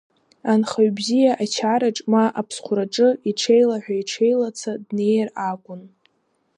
Анхаҩ бзиа ачараҿ, ма аԥсхәраҿы иҽеилаҳәа-иҽеилаца днеир акәын.